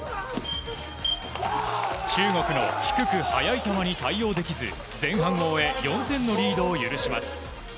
中国の低く速い球に対応できず前半を終え４点のリードを許します。